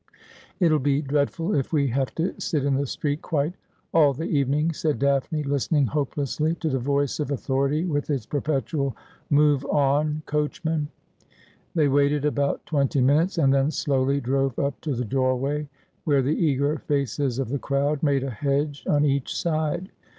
' It'll be dreadful if we have to sit in the street quite all the evening,' said Daphne, listening hopelessly to the voice of autho rity, with its perpetual ' Move on, coachman.' They waited about twenty minutes, and then slowly drove up to the doorway, where the eager faces of the crowd made a hedge on each side.